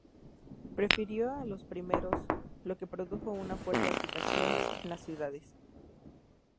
Prefirió a los primeros, lo que produjo una fuerte agitación en las ciudades.